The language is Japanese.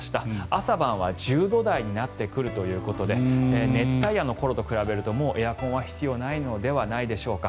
朝晩は１０度台になってくるということで熱帯夜の頃と比べるともうエアコンは必要ないのではないでしょうか。